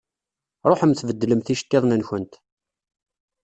Ṛuḥemt beddlemt iceṭṭiḍent-nkent.